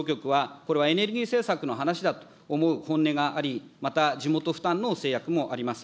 国交省の道路局はこれはエネルギー政策の話だと思う本音があり、また地元負担の制約もあります。